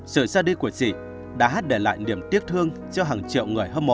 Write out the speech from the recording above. sự xa đi của chị đã hát để lại niềm tiếc thương cho hàng triệu người hâm mộ